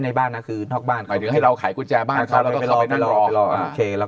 ในบ้านนะคือนอกบ้านให้เราขายกุญแจบ้านเขาไปนั่งรอโอเคแล้ว